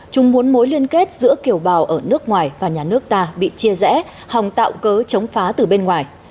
chúng muốn mối liên kết giữa kiều bào ở nước ngoài và nhà nước ta bị chia rẽ hòng tạo cớ chống phá từ bên ngoài